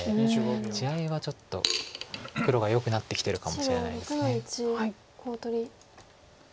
地合いはちょっと黒がよくなってきてるかもしれないです。